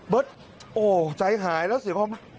เบิร์ตโอ้ใจหายแล้ว